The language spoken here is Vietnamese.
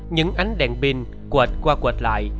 những ánh đèn pin quệt qua quệt lại